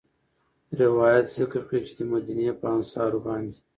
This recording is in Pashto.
روايت ذکر کړی چې د مديني په انصارو باندي